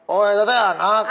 oh tante anak